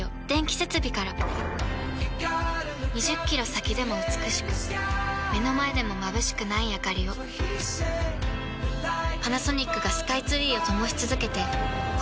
２０キロ先でも美しく目の前でもまぶしくないあかりをパナソニックがスカイツリーを灯し続けて今年で１０年